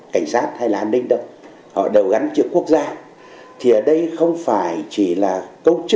cảnh sát hay là an ninh đâu họ đều gắn chữ quốc gia thì ở đây không phải chỉ là câu chữ